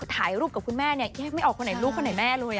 ถ่ายรูปกับคุณแม่เนี่ยแยกไม่ออกคนไหนลูกคนไหนแม่เลย